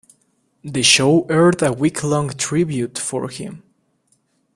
The show aired a week-long tribute for him.